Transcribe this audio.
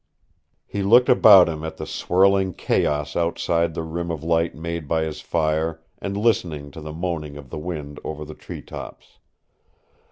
He looked about him at the swirling chaos outside the rim of light made by his fire and listened to the moaning of the wind over the treetops.